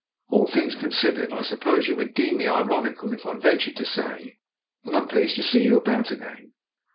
"All things considered, I suppose you would deem me ironical if I ventured to say that I am pleased to see you about again.